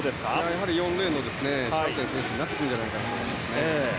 やはり４レーンのシャウテン選手になってくると思います。